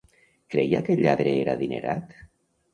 Creia que el lladre era adinerat?